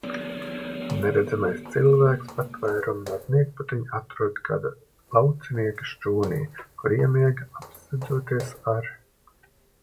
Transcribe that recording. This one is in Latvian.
Neredzamais cilvēks patvērumu no sniegputeņa atrod kāda laucinieka šķūnī, kur iemieg, apsedzoties ar sienu.